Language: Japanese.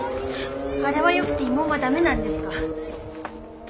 あれはよくて慰問はダメなんですか？